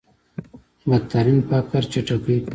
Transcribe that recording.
بدترين فقر چټکۍ کمېږي.